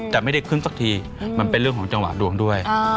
แต่ไม่ได้ขึ้นสักทีมันเป็นเรื่องของจังหวะดวงด้วย